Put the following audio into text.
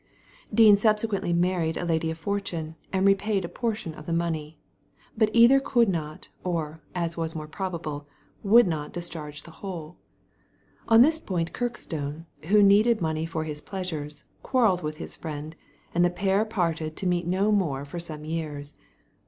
Dean subsequently married a lady of fortune, and repaid a portion of the money ; but either could not, or — as was more probable — would not discharge the whole. On this point Kirkstone, who needed money for his pleasures, quarrelled with his friend, and the pair parted to meet no more for some years.